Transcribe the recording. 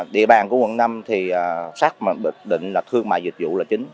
địa bàn của quận năm thì sát định là thương mại dịch vụ là chính